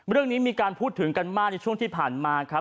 เรื่องนี้มีการพูดถึงกันมากในช่วงที่ผ่านมาครับ